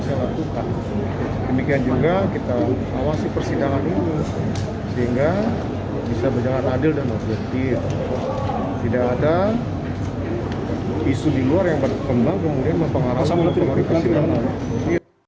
ferdis sambo mengatakan richard eliezer yang melakukan penembakan terhadap yosua dan jangan melibatkan putri candrawati